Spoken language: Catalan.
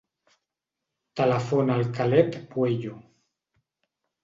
Telefona al Caleb Pueyo.